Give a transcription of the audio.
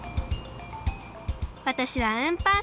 わたしはうんぱん